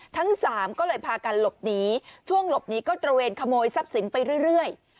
ทั้งสามก็เลยพากันหลบหนีช่วงหลบหนีก็ตระเวนขโมยทรัพย์สินไปเรื่อย